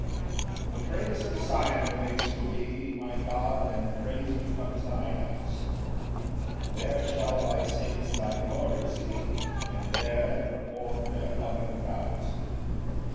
1 The praise of Sion waits for thee, My God; and praise becomes thy house; There shall thy saints thy glory see, And there perform their public vows.